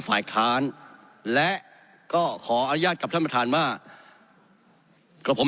ฝ่ายคารและก็ขออารยาดกับท่านประธานมาเกลอผม